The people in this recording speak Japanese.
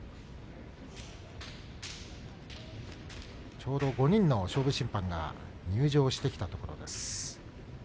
ちょうど５人の勝負審判が入場してきたところです。